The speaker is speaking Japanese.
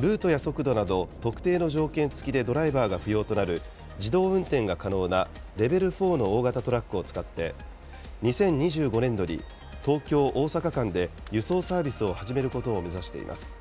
ルートや速度など特定の条件付きでドライバーが不要となる自動運転が可能なレベル４の大型トラックを使って、２０２５年度に東京・大阪間で輸送サービスを始めることを目指しています。